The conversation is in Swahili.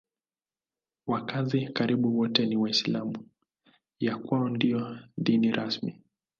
Wakazi karibu wote ni Waislamu; ya kwao ndiyo dini rasmi.